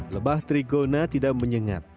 lebah trigona tidak menyengat